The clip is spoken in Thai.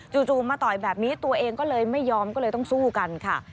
มาต่อยแบบนี้ตัวเองก็เลยไม่ยอมก็เลยต้องสู้กันค่ะ